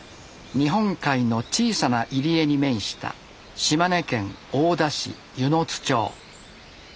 日本海の小さな入り江に面した島根県大田市温泉津町。